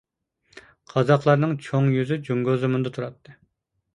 قازاقلارنىڭ چوڭ يۈزى جۇڭگو زېمىنىدا تۇراتتى.